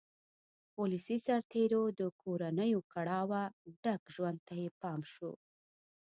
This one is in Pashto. ولسي سرتېرو د کورنیو کړاوه ډک ژوند ته یې پام شو.